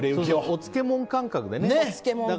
お漬物感覚でね。